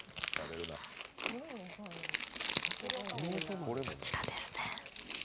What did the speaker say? こちらですね。